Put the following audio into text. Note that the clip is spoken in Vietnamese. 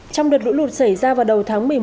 trong đợt lũ lụt xảy ra vào đầu tháng một mươi một